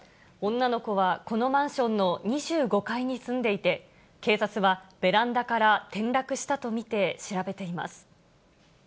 女の子はこのマンションの２５階に住んでいて、警察はベランダから転落したと見て調べています。